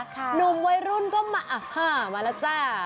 หนุ่มวัยรุ่นก็มามาแล้วจ้า